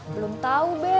belum tahu be